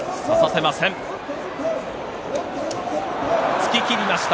突ききりました。